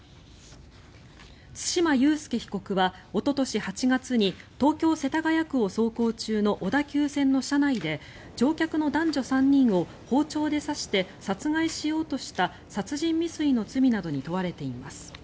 対馬悠介被告はおととし８月に東京・世田谷区を走行中の小田急線の車内で乗客の男女３人を包丁で刺して殺害しようとした殺人未遂の罪などに問われています。